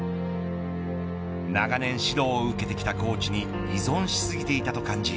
長年指導を受けてきたコーチに依存しすぎていたと感じ